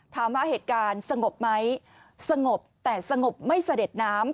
ถามว่าเหตุการณ์สงบไหมสงบแต่สงบไม่เสด็จน้ำ